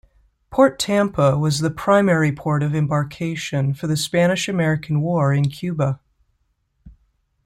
Port Tampa was the primary port of embarkation for the Spanish-American War in Cuba.